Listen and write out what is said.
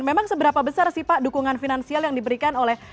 memang seberapa besar sih pak dukungan finansial yang diberikan oleh